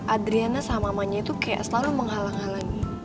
adriana sama mamanya itu kayak selalu menghalang halangi